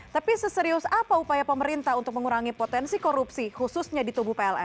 tapi seserius apa upaya pemerintah untuk mengurangi potensi korupsi khususnya di tubuh pln